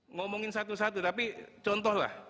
ngomongin satu satu tapi contohlah